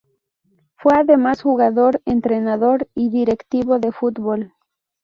Fue además jugador, entrenador y directivo de fútbol.